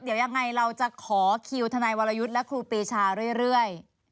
เดี๋ยวยังไงเราจะขอคิวทนายวรยุทธ์และครูปีชาเรื่อย